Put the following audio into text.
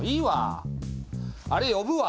あれ呼ぶわ。